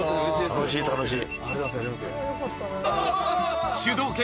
楽しい楽しい。